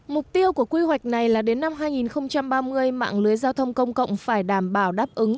mục tiêu của quy hoạch này là đến năm hai nghìn ba mươi mạng lưới giao thông công cộng phải đảm bảo đáp ứng